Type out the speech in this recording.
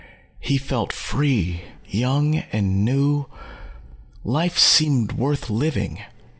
He felt free young and new. Life seemed worth living.